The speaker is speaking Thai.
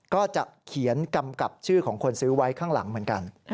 ก็จะเขียนกำกับชื่อของคนซื้อไว้ข้างหลังเหมือนกัน